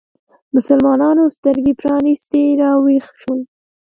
مسلمانانو سترګې پرانیستې راویښ شول